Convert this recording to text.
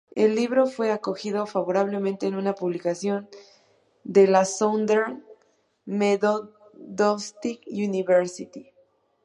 El libro fue acogido favorablemente en una publicación de la Southern Methodist University.